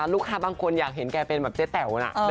ลูกค้าบางคนอยากเห็นแกเป็นแบบเจ๊แต๋วนะ